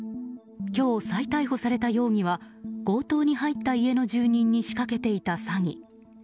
今日、再逮捕された容疑は強盗に入った家の住人に仕掛けていた詐欺。